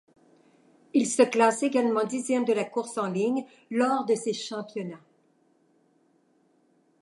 Il se classe également dixième de la course en ligne lors de ces championnats.